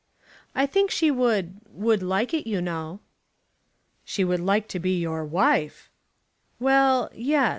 "I think she would, would like it, you know." "She would like to be your wife!" "Well; yes.